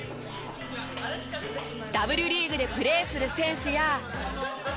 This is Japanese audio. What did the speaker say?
Ｗリーグでプレーする選手や。